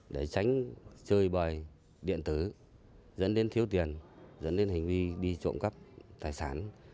để tránh chơi bời điện tử dẫn đến thiếu tiền dẫn đến hành vi đi trộm cắp tài sản